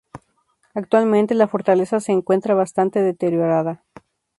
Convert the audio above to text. Actualmente, la fortaleza se encuentra bastante deteriorada.